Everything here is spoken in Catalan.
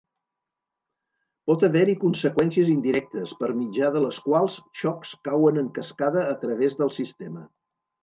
Pot haver-hi conseqüències indirectes, per mitjà de les quals xocs cauen en cascada a través del sistema.